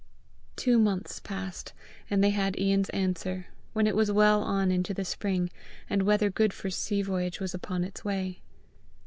Two months passed, and they had Ian's answer when it was well on into the spring, and weather good for a sea voyage was upon its way.